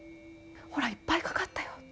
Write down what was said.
ほら、いっぱいかかったよ。